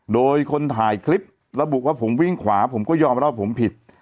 โดยคนถ่ายคลิประบุว่าผมวิ่งขวาผมก็ยอมรับว่าผมผิด